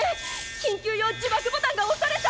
緊急用自爆ボタンが押された！